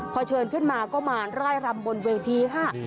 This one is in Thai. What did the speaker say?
พอเชิญขึ้นมาก็มาร่ายรำบนเวทีค่ะ